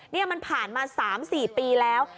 ๖๓๖๔๖๕๖๖นี่มันผ่านมา๓๔ปีแล้ว